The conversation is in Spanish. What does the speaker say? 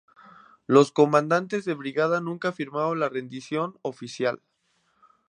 Los comandantes de brigada nunca firmaron la rendición oficial.